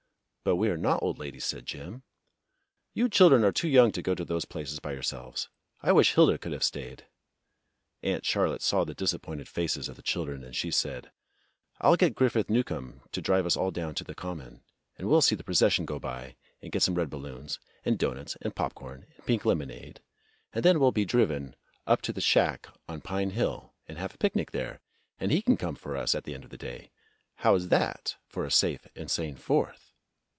"But we are not old ladies," said Jim. "You children are too young to go to those places by yourselves. I wish Hilda could have stayed." Aunt Charlotte saw the disappointed faces of the children, and she said: "I'll get Griffith Newcomb to drive us all down to the Common, and we'll see the procession go by and get some red balloons and doughnuts and popcorn and pink lemonade, and 60 THE BLUE AUNT then we'll be driven up to the shack on Pine Hill and have a picnic there, and he can come for us at the end of the day. How is that for a safe and sane Fourth?"